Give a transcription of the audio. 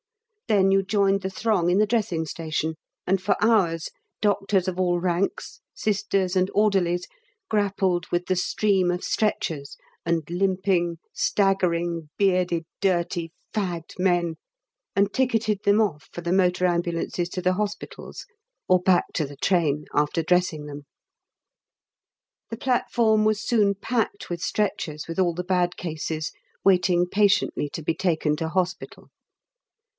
Then you joined the throng in the dressing station, and for hours doctors of all ranks, Sisters and orderlies, grappled with the stream of stretchers, and limping, staggering, bearded, dirty, fagged men, and ticketed them off for the motor ambulances to the Hospitals, or back to the train, after dressing them. The platform was soon packed with stretchers with all the bad cases waiting patiently to be taken to Hospital.